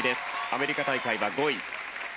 アメリカ大会は５位。